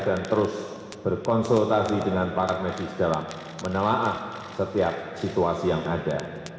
dan terus berkonsultasi dengan para medis dalam menelanah setiap situasi yang ada